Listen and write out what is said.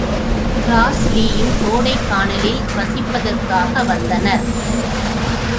கிராஸ்லீயும் கோடைக்கானலில் வசிப்பதற்காக வந்தனர்.